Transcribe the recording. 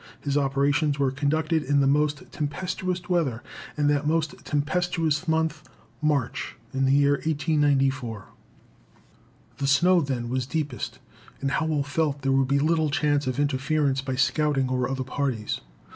His operations were conducted in the most tempestuous weather in that most tempestuous month, March, in the year 1894. The snow then was deepest, and Howell felt there would be little chance of interference by scouting or other parties.